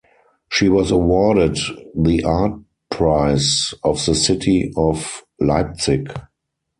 She was awarded the Art Prize of the City of Leipzig.